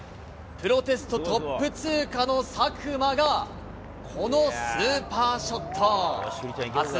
プロテストトップ通過の佐久間が、このスーパーショット。